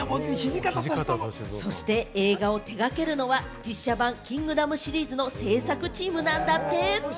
そして映画を手掛けるのは実写版『キングダム』シリーズの制作チームなんだって。